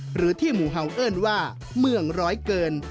หรือที่หมู่เฮาวเอิ้นว่าเมืองร้อยเกิน